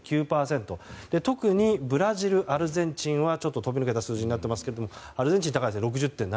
特にブラジル、アルゼンチンは飛び抜けた数字になっていますがアルゼンチン高いですね６０．７％。